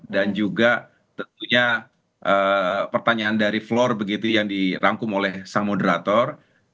dan juga tentunya pertanyaan dari floor begitu yang dirangkum oleh sang moderator